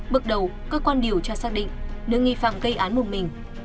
bước đầu cơ quan điều tra xác định nữ nghi phạm gây án một mình